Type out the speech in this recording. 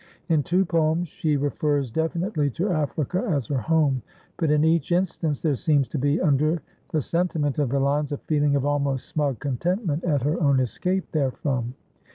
In two poems she refers definitely to Africa as her home, but in each instance there seems to be under the sentiment of the lines a feeling of almost smug contentment at her own escape therefrom.